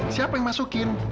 siapa yang masukin